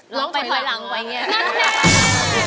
ร้องไปถอยหลังไปเนี่ย